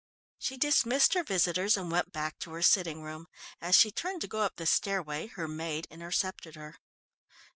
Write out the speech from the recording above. She dismissed her visitors and went back to her sitting room. As she turned to go up the stairway her maid intercepted her.